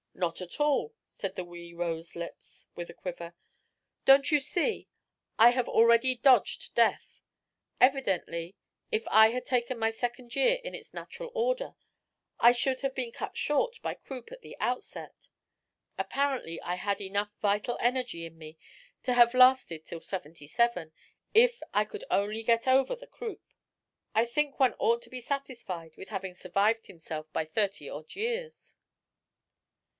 "Not at all," said the wee rose lips, with a quiver. "Don't you see, I have already dodged Death? Evidently, if I had taken my second year in its natural order, I should have been cut short by croup at the outset. Apparently I had enough vital energy in me to have lasted till seventy seven, if I could only get over the croup. I think one ought to be satisfied with having survived himself by thirty odd years."